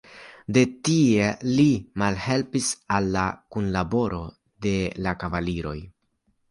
De tie li malhelpis al la kunlaboro de la kavaliroj.